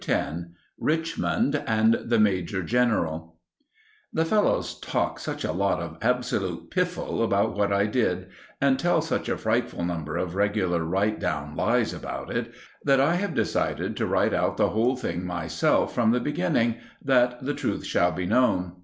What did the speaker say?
X* *RICHMOND AND THE MAJOR GENERAL* The fellows talk such a lot of absolute piffle about what I did, and tell such a frightful number of regular right down lies about it, that I have decided to write out the whole thing myself from the beginning, that the truth shall be known.